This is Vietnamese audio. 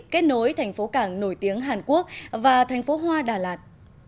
kết nối thành phố cảng nổi tiếng hàn quốc và thành phố hoa đà lạt